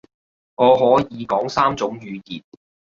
我可以講三種語言